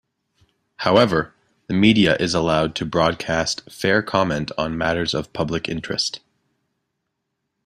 However, the media is allowed to broadcast "fair comment on matters of public interest".